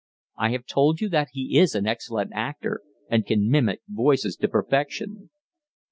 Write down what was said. I have told you that he is an excellent actor, and can mimic voices to perfection."